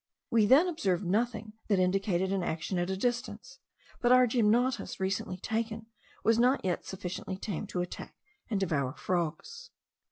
We then observed nothing that indicated an action at a distance; but our gymnotus, recently taken, was not yet sufficiently tame to attack and devour frogs.